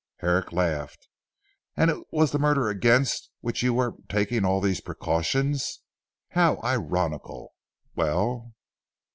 Herrick laughed. "And it was the murder against which you were taking all these precautions. How ironical! Well?"